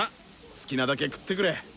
好きなだけ食ってくれ！